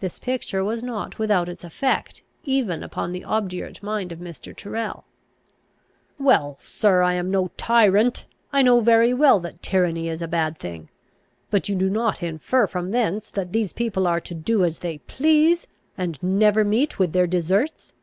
This picture was not without its effect, even upon the obdurate mind of Mr. Tyrrel. "Well, sir, I am no tyrant. I know very well that tyranny is a bad thing. But you do not infer from thence that these people are to do as they please, and never meet with their deserts?"